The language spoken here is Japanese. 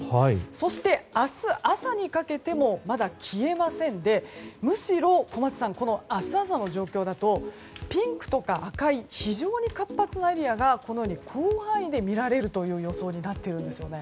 そして、明日朝にかけてもまだ消えませんでむしろ、明日朝の状況だとピンクとか赤い非常に活発なエリアが広範囲で見られるという予想になっているんですね。